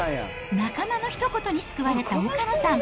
仲間のひと言に救われた岡野さん。